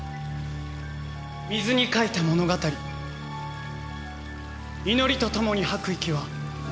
『水に書いた物語』「祈りとともに吐く息は」